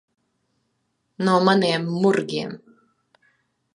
No maniem murgiem.